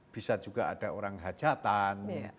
bisa juga ada orang hajatan